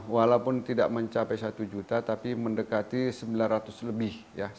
walaupun tidak mencapai satu juta tapi mendekati sembilan ratus lebih